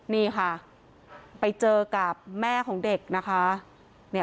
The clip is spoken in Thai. นี่ค่ะไปเจอกับแม่ของเด็กนะคะ